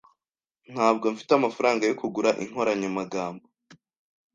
Ntabwo mfite amafaranga yo kugura inkoranyamagambo.